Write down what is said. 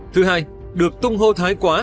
thứ hai được tung hô thái quá